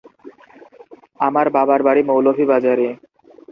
আমার বাবার বাড়ি মৌলভীবাজারে।